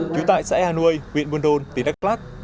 trú tại xã hà nội huyện buôn đôn tp đắc lắc